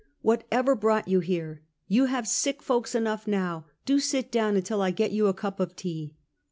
What ever brought you here? We have sick folks enough now! Do sit down until I get you a cup of tea!